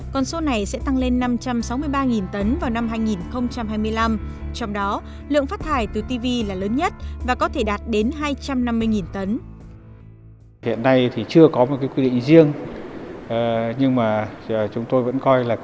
còn số này sẽ tăng lên năm trăm sáu mươi ba tấn vào năm hai nghìn hai mươi năm trong đó lượng phát thải từ tv là lớn nhất và có thể đạt đến hai trăm năm mươi tấn